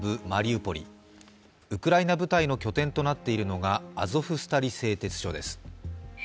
ウクライナ部隊の拠点となっているのが、アゾフスタリ製鉄所です。